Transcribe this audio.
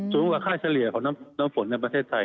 สูงกว่าค่าเฉลี่ยของน้ำฝนในประเทศไทย